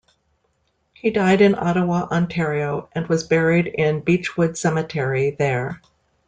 He died in Ottawa, Ontario and was buried in Beechwood Cemetery there.